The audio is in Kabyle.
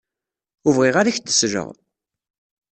Ur bɣiɣ ara ad ak-d-sleɣ.